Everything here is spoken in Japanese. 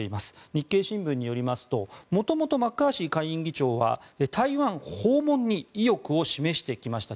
日経新聞によりますと元々マッカーシー下院議長は台湾訪問に意欲を示してきました。